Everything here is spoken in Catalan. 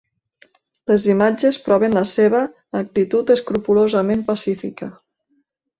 Les imatges proven la seva actitud escrupolosament pacífica.